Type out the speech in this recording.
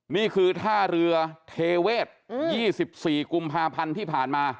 นี่คือท่าเรือเทเวศ๒๔กุมภาพันธ์ที่ผ่านมา